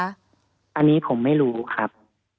อันนี้ผมไม่รู้ครับ